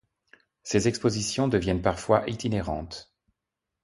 Ces expositions deviennent parfois itinérantes.